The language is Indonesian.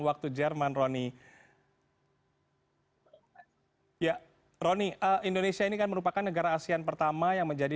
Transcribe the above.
waktu jerman roni ya roni indonesia ini kan merupakan negara asean pertama yang menjadi